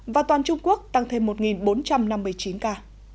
và toàn trung quốc tăng thêm một bốn trăm năm mươi chín ca